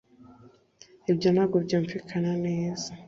Ibyo ntabwo byumvikana neza